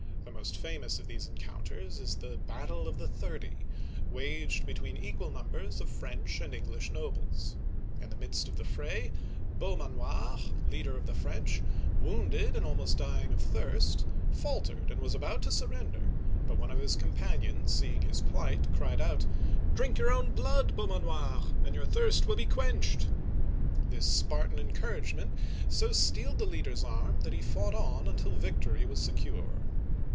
The most famous of these encounters is the " Battle of the Thirty," waged between equal numbers of French and English nobles. In the midst of the fray, Beaumanoir (bo ma nwar'), leader of the French, wounded and almost dying of thirst, faltered and uigiTizea Dy vjiOOQlC 156 OLD FRANCE was about to surrender, but one of his companions, see ing his plight, cried out, Drink your own blood, Beau manoir, and your thirst will be quenched !" This Spar tan encouragement so steeled the leader's arm, that he fought on until victory was secure.